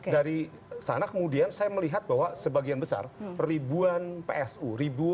dari sana kemudian saya melihat bahwa sebagian besar ribuan psu ribuan yang namanya pemungutan